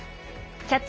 「キャッチ！